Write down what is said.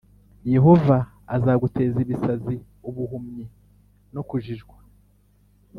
Yehova azaguteza ibisazi, ubuhumyi no kujijwa.